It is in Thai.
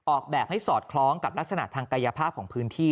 ออกแบบให้สอดคล้องกับลักษณะทางกายภาพของพื้นที่